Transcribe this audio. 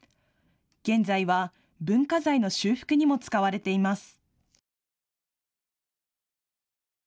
現在は文化財の修復にも使われています。